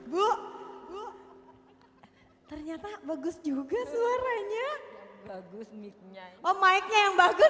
bila bahagia mulai menyentuh